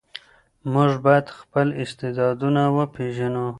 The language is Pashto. موږ باید خپل استعدادونه وپېژنو.